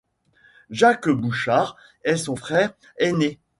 Jacques Bouchart est son frère aîné.